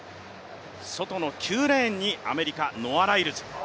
外の９レーンにアメリカ、ノア・ライルズ。